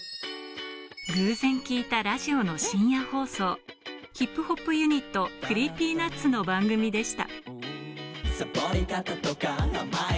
偶然、聞いたラジオの深夜放送、ヒップポップユニット・ＣｒｅｅｐｙＮｕｔｓの番組でした。